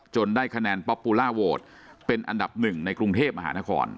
ได้คะแนนป๊อปปูล่าโหวตเป็นอันดับหนึ่งในกรุงเทพมหานคร